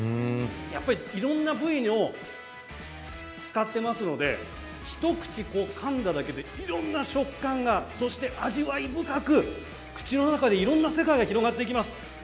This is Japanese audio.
いろいろな部位のお肉を使っているので一口かんだだけでいろいろな食感がそして味わい深く、口の中でいろいろな世界が広がっていきます。